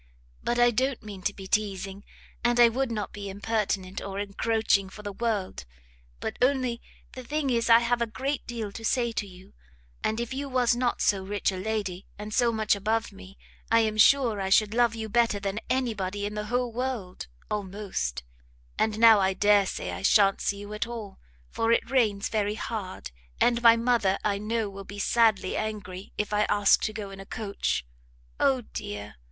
But I don't mean to be teasing, and I would not be impertinent or encroaching for the world; but only the thing is I have a great deal to say to you, and if you was not so rich a lady, and so much above me, I am sure I should love you better than any body in the whole world, almost; and now I dare say I shan't see you at all; for it rains very hard, and my mother, I know, will be sadly angry if I ask to go in a coach. O dear!